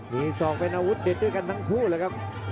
มีศอกเป็นอาวุธเด็ดด้วยกันทั้งคู่เลยครับ